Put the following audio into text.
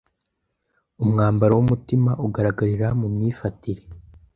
“umwambaro w’umutima ugaragarira mu myifatire